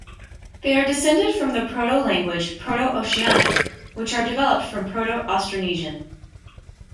They are descended from the protolanguage Proto-Oceanic, which are developed from Proto-Austronesian.